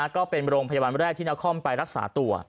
ก็เป็นโรงพยาบาลแรกที่นครไปรักษาตัว